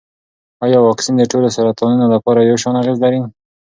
ایا واکسین د ټولو سرطانونو لپاره یو شان اغېز لري؟